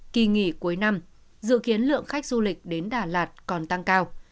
kỳ nghỉ cuối năm dự kiến lượng khách du lịch đến đà lạt còn tăng cao